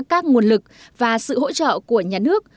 các nguồn lực và sự hỗ trợ của nhà nước